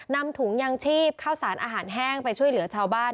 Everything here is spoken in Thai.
นำถุงยางชีพเข้าสารอาหารแห้งไปช่วยเหลือชาวบ้าน